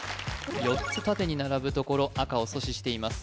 ４つ縦に並ぶところ赤を阻止しています